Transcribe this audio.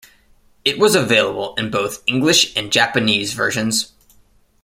It was available in both English and Japanese versions.